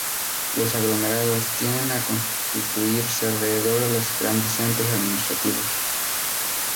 Los aglomerados tienden a constituirse alrededor de los grandes centros administrativos.